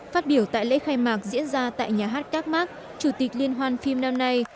phát biểu tại lễ khai mạc diễn ra tại nhà hát cark chủ tịch liên hoan phim năm nay